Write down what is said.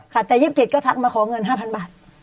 ค่ะแต่๒๗ก็ทักมาขอเงิน๕๐๐บาท